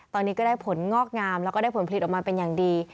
ตอนนี้ก็ได้ผลงอกงามแล้วก็ได้ผลผลิตออกมาเป็นอย่างดี